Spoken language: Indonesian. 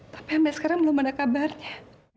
tapi sampai sekarang belum ada kabarnya